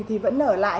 thì vẫn ở lại